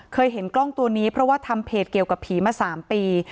เห็นกล้องตัวนี้เพราะว่าทำเพจเกี่ยวกับผีมา๓ปี